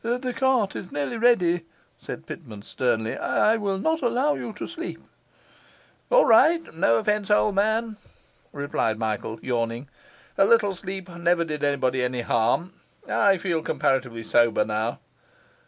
'The cart is nearly ready,' said Pitman sternly. 'I will not allow you to sleep.' 'All right no offence, old man,' replied Michael, yawning. 'A little sleep never did anybody any harm; I feel comparatively sober now.